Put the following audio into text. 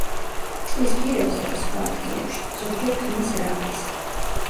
ტყის პირებზე და სხვა ადგილებში, ზოგჯერ ქმნის რაყას.